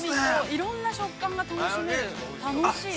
◆いろんな食感が楽しめる、楽しいです。